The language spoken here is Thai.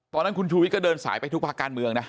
ตอนนั้นคุณชูวิทย์ก็เดินสายไปทุกภาคการเมืองนะ